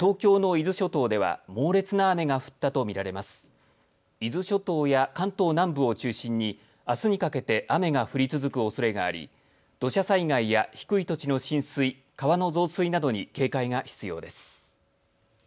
伊豆諸島や関東南部を中心にあすにかけて雨が降り続くおそれがあり土砂災害や低い土地の浸水川の増水などに警戒が必要です。